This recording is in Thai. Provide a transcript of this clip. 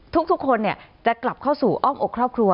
ทุกคนจะกลับเข้าสู่อ้อมอกครอบครัว